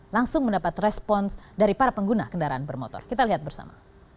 langsung mendapat respons dari para pengguna kendaraan bermotor kita lihat bersama